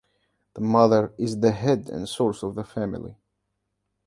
The mother is the head and source of the family.